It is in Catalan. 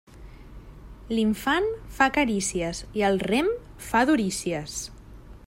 L'infant fa carícies i el rem fa durícies.